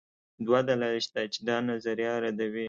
دوه دلایل شته چې دا نظریه ردوي.